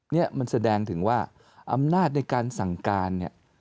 นี่มันแสดงถึงว่าอำนาจในการสั่งการเนี่ย